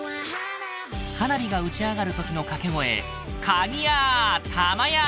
花火が打ち上がる時の掛け声「かぎや！」